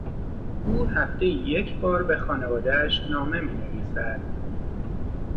او هفتهای یکبار به خانوادهاش نامه مینویسد.